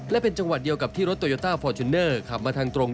แล้วกับที่รถโตยอต้าฟอร์จุนเนอร์ขับมาทางตรง